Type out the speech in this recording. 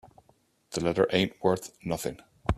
The letter ain't worth nothing.